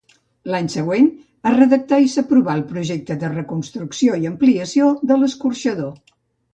L'any següent es redactà i s'aprovà el projecte de reconstrucció i ampliació de l'escorxador.